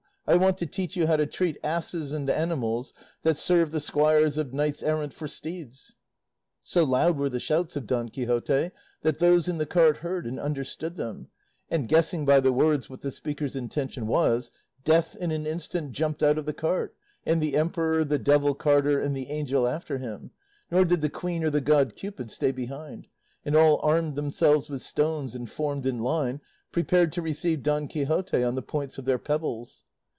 I want to teach you how to treat asses and animals that serve the squires of knights errant for steeds." So loud were the shouts of Don Quixote, that those in the cart heard and understood them, and, guessing by the words what the speaker's intention was, Death in an instant jumped out of the cart, and the emperor, the devil carter and the angel after him, nor did the queen or the god Cupid stay behind; and all armed themselves with stones and formed in line, prepared to receive Don Quixote on the points of their pebbles.